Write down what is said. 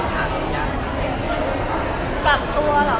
ต่างตัวหรือเปล่า